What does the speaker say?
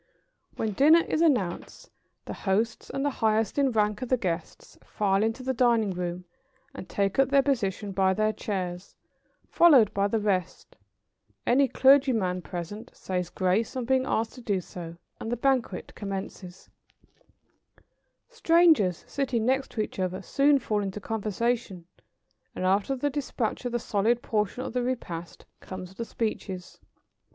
] When dinner is announced the hosts and the highest in rank of the guests file into the dining room and take up their position by their chairs, followed by the rest; any clergyman present says grace on being asked to do so, and the banquet commences. [Sidenote: The order of the ceremony.] Strangers sitting next to each other soon fall into conversation, and after the dispatch of the solid portion of the repast come the speeches.